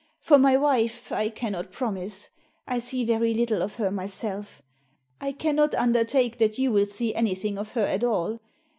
For my wife, I cannot promise; I see very little of her myself. I cannot undertake that you will see anything of her at all.